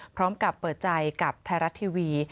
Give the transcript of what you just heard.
พร้อมกับเปิดใจกับไทยรัฐทีวี